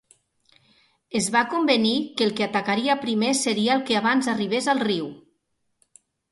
Es va convenir que el que atacaria primer seria el que abans arribes al riu.